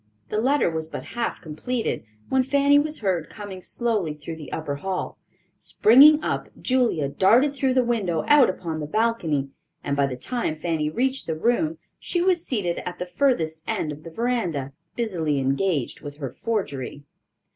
The letter was but half completed, when Fanny was heard coming slowly through the upper hall. Springing up, Julia darted through the window out upon the balcony, and by the time Fanny reached the room she was seated at the furthest end of the veranda, busily engaged with her forgery.